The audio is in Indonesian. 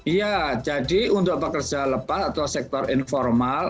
iya jadi untuk pekerja lepas atau sektor informal